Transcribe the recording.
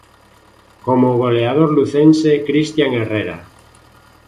Como o goleador lucense Cristian Herrera.